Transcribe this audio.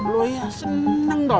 lo ya seneng toh